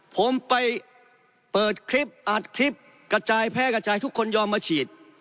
ผมไปเปิดคลิปอัดคลิปกระจายแพร่กระจายทุกคนยอมมาฉีด